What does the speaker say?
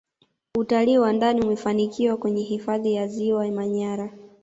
utalii wa ndani umefanikiwa kwenye hifadhi ya ziwa manyara